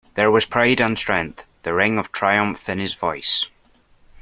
There was pride and strength, the ring of triumph in his voice.